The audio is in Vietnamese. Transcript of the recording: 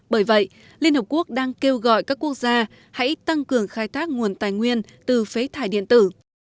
bởi vậy liên hợp quốc đang kêu gọi các quốc gia hãy tăng cường khai thác nguồn tài nguyên từ phế thải điện tử